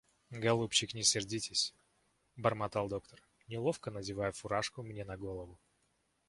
— Голубчик, не сердитесь, — бормотал доктор, неловко надевая фуражку мне на голову.